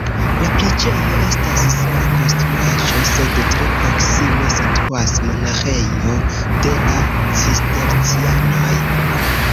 La preĝejo estas sola konstruaĵo, sed tre proksime situas monaĥejo de la cistercianoj.